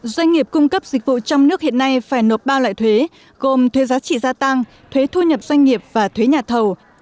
doanh nghiệp cung cấp dịch vụ trong nước hiện nay phải nộp ba loại thuế gồm thuế giá trị gia tăng thuế thu nhập doanh nghiệp và thuế nhà thầu